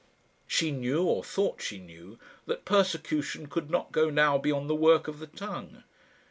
She knew, or thought she knew, that persecution could not go now beyond the work of the tongue.